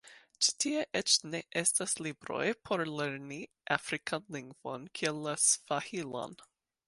Ĉi tie eĉ ne estas libroj por lerni afrikan lingvon kiel la Svahilan.